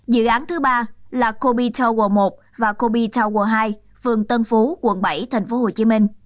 dự án thứ ba là kobe tower một và kobe tower hai phường tân phú quận bảy tp hcm